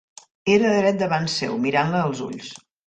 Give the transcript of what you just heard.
Era dret davant seu, mirant-la als ulls.